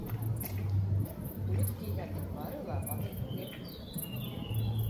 Бүрек кейгәндең бары ла батыр түгел.